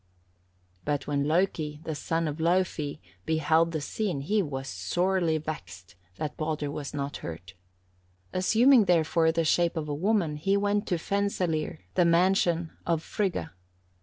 But when Loki, the son of Laufey, beheld the scene, he was sorely vexed that Baldur was not hurt. Assuming, therefore, the shape of a woman, he went to Fensalir, the mansion of Frigga.